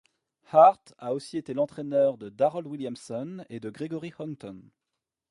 Hart a aussi été l'entraîneur de Darold Williamson et de Gregory Haughton.